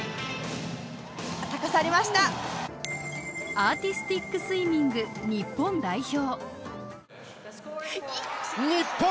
アーティスティックスイミング日本代表。